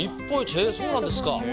へー、そうなんですか。